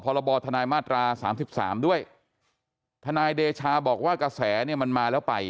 พรบทนายมาตราสามสิบสามด้วยทนายเดชาบอกว่ากระแสเนี่ยมันมาแล้วไป